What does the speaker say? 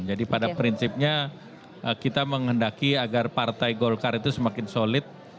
jadi pada prinsipnya kita menghendaki agar partai golkar itu semakin solid